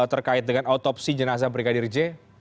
terkait dengan otopsi jenazah brigadir j